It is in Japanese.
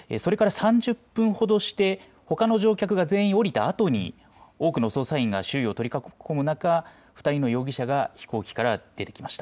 それから３０分ほどして、ほかの乗客が全員降りたあとに多くの捜査員が周囲を取り囲む中、２人の容疑者が飛行機から出てきました。